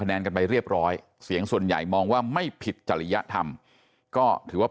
แนนกันไปเรียบร้อยเสียงส่วนใหญ่มองว่าไม่ผิดจริยธรรมก็ถือว่า